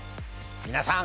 皆さん